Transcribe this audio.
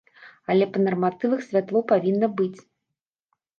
Але па нарматывах святло павінна быць.